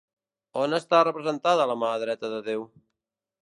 On està representada La mà dreta de Déu?